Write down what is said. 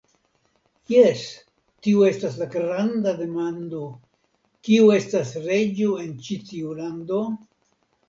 Jes, tiu estas la granda demando: Kiu estas reĝo en ĉi tiu lando?